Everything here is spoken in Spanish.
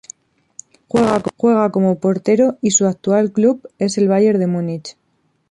Juega como portero y su actual club es Bayern de Múnich.